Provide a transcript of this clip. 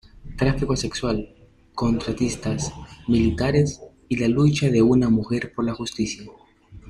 Tráfico Sexual, Contratistas Militares y la Lucha de Una Mujer por la Justicia.